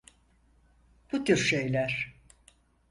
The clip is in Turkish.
Bu tür şeyler.